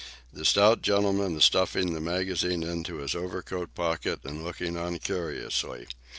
The stout gentleman is stuffing the magazine into his overcoat pocket and looking on curiously.